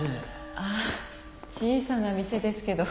ああ小さな店ですけど。